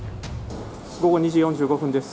午後２時４５分です。